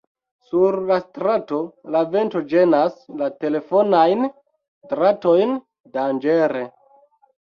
Sur la strato, la vento ĝenas la telefonajn dratojn danĝere.